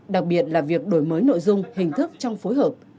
đặc biệt là việc đổi mới nội dung hình thức trong phối hợp